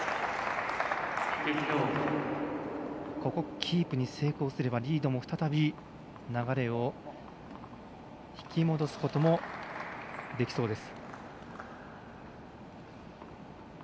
キープに成功すればリードも再び流れを引き戻すこともできそうです。